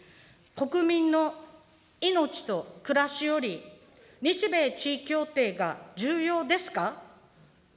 国民の命と暮らしより、日米地位協定が重要ですか。